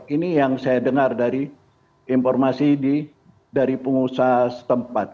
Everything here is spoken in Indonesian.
ini yang saya dengar dari informasi dari pengusaha setempat